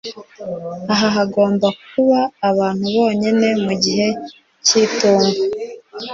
Aha hagomba kuba ahantu honyine mu gihe cyitumba.